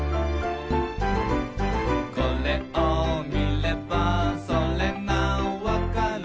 「これを見ればそれがわかる」